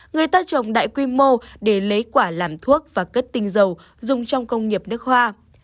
người ta trồng đại quy mô để lấy quả làm thuốc và cất tinh dầu dùng trong công nghiệp nước hoa